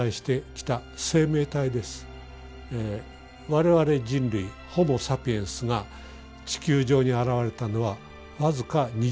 我々人類ホモサピエンスが地球上に現れたのは僅か２０万年前です。